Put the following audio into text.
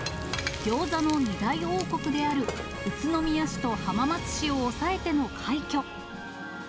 ギョーザの２大王国である宇都宮市と浜松市を抑えての快挙。